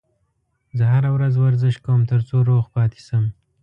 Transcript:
زه هره ورځ ورزش کوم ترڅو روغ پاتې شم